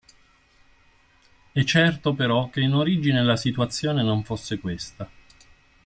È certo però che in origine la situazione non fosse questa.